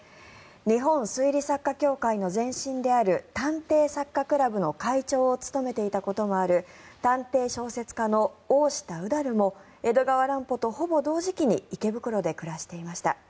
日本推理作家協会の前身である探偵作家クラブの会長を務めていたこともある探偵小説家の大下宇陀児も江戸川乱歩とほぼ同時期に池袋で暮らしていました。